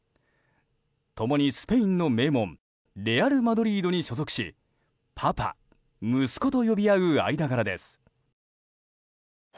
共にスペインの名門レアル・マドリードに所属しパパ、息子と呼び合う間柄です。